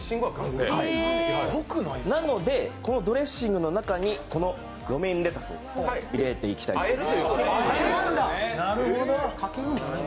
なので、このドレッシングの中にこのロメインレタスを入れていきます。